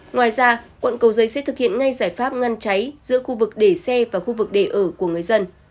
ngoài ra quận cầu giấy sẽ thực hiện ngay giải pháp ngăn cháy giữa khu vực để xe và khu vực để ở của người dân